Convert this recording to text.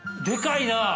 でかいな。